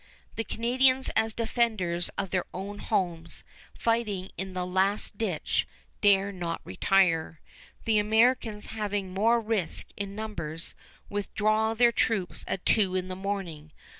The Canadians as defenders of their own homes, fighting in the last ditch, dare not retire. The Americans, having more to risk in numbers, withdraw their troops at two in the morning.